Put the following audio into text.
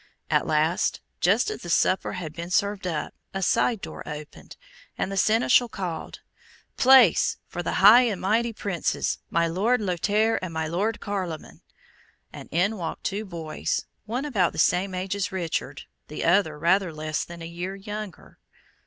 At last, just as the supper had been served up, a side door opened, and the Seneschal called, "Place for the high and mighty Princes, my Lord Lothaire and my Lord Carloman!" and in walked two boys, one about the same age as Richard, the other rather less than a year younger.